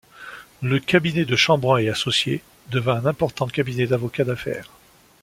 Le cabinet de Chambrun et associés devint un important cabinet d'avocats d'affaires.